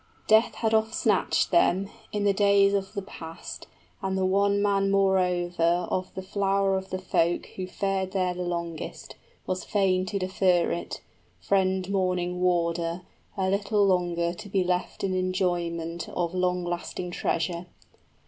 Death had offsnatched them, In the days of the past, and the one man moreover Of the flower of the folk who fared there the longest, Was fain to defer it, friend mourning warder, A little longer to be left in enjoyment 20 Of long lasting treasure.